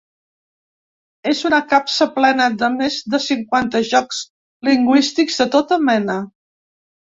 És una capsa plena de més de cinquanta jocs lingüístics de tota mena.